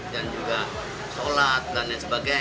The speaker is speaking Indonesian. dan juga sholat dan lain sebagainya